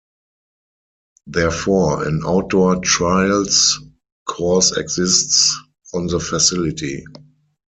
Therefore, an outdoor trials course exists on the facility.